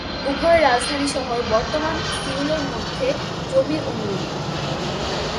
উভয় রাজধানী শহর বর্তমান সিউলের মধ্যে জমির অনুরূপ।